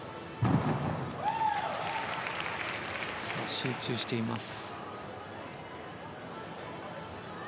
集中しています。